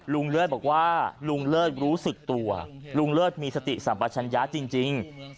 ลุงเลือดบอกว่าลุงเลือดรู้สึกตัวลุงเลือดมีสติสัมปัชญาจริง